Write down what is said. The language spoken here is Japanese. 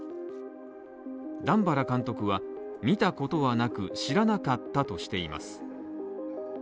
段原監督は見たことはなく知らなかったとしています。